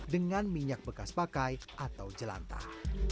dengan minyak bekas pakai atau jelantah